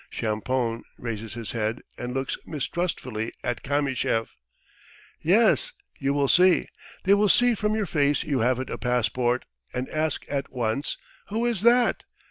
Champoun raises his head and looks mistrustfully at Kamyshev. "Yes. ... You will see! They will see from your face you haven't a passport, and ask at once: Who is that?